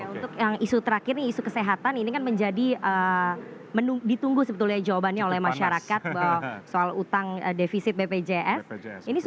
untuk yang isu terakhir ini isu kesehatan ini kan menjadi ditunggu sebetulnya jawabannya oleh masyarakat bahwa soal utang defisit bpjs